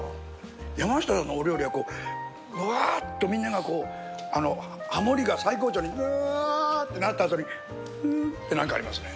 山下さんのお料理はブワーッとみんながこうハモリが最高潮にワーッとなったあとにフッってなんかありますね。